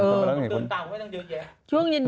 อืมตื่นตากูไม่ต้องเยอะแยะ